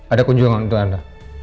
ada kunjungan untuk anda